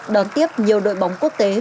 đón tiếp nhiều đội bóng quốc tế